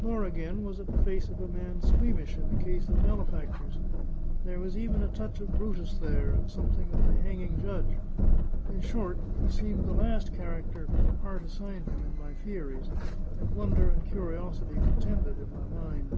Nor again was it the face of a man squeamish in the case of malefactors; there was even a touch of Brutus there, and something of the hanging judge. In short, he seemed the last character for the part assigned him in my theories; and wonder and curiosity contended in my mind.